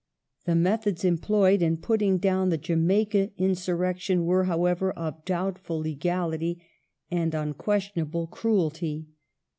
The methods employed in putting down the Jamaica insurrection were, however, of doubtful legality and un questionable cruelty.